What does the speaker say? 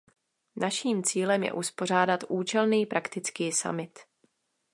Naším cílem je uspořádat účelný, praktický summit.